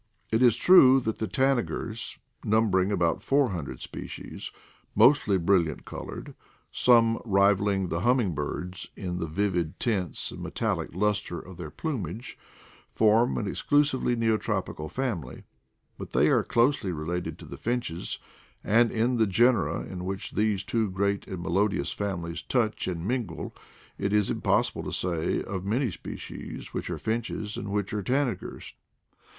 It is true that the tanagers, numbering about four hun dred species, mostly brilliantly colored, some rivaling the humming birds in the vivid tints and metallic luster of their plumage, form an exclu sively Neotropical family; but they are closely related to the finches, and in the genera in which these two great and melodious families touch and mingle, it is impossible to say of many species which are finches and which tanagers.